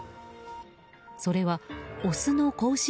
それはオスの子牛